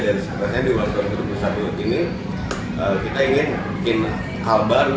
dari saat saatnya di dua ribu satu ini kita ingin bikin hal baru